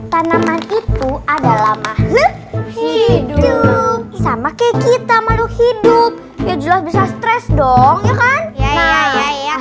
tanaman itu adalah mahluk hidup sama kayak kita malu hidup ya jelas bisa stress dong ya kan ya ya